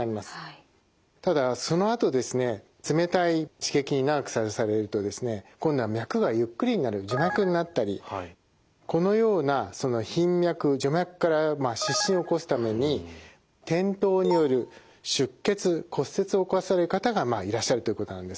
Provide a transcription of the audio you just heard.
ただそのあとですね冷たい刺激に長くさらされると今度は脈がゆっくりになる徐脈になったりこのような頻脈・徐脈から失神を起こすために転倒による出血骨折を起こされる方がいらっしゃるということなんです。